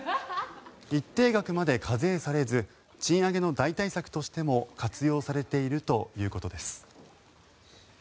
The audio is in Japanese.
一定額まで課税されず賃上げの代替策としても活用されているということです。